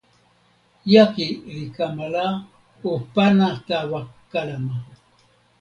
jaki li kama la, o pana tawa kalama.